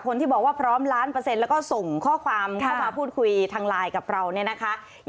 คนที่บอกว่าพร้อมล้านเปอร์เซ็นต์แล้วก็ส่งข้อความเข้ามาพูดคุยทางไลน์กับเราเนี่ยนะคะ